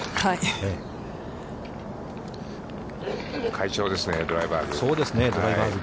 快調ですね、ドライバーグ。